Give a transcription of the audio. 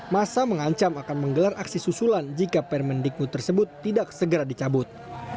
masa mengancam akan menggelar aksi susulan jika permendikbud tersebut tidak segera dicabut